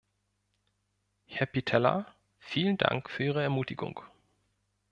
Herr Pitella, vielen Dank für Ihre Ermutigung.